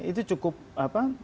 itu cukup apa